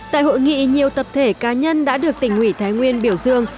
tại hội nghị nhiều tập thể cá nhân đã được tỉnh ủy thái nguyên biểu dương